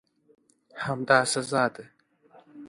همدا سزا ده.